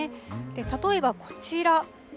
例えばこちら。